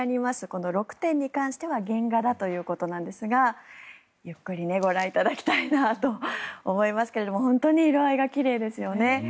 この６点に関しては原画だということなんですがゆっくりご覧いただきたいなと思いますが本当に色合いが奇麗ですよね。